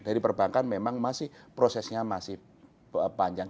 dari perbankan memang masih prosesnya masih panjang